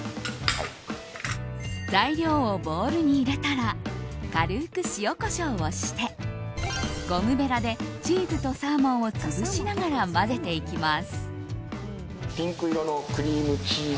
材料をボウルに入れたら軽く塩、コショウをしてゴムべらでチーズとサーモンを潰しながら混ぜていきます。